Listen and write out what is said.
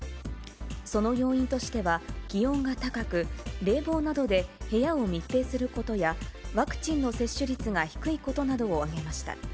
その要因としては、気温が高く、冷房などで部屋を密閉することや、ワクチンの接種率が低いことなどを挙げました。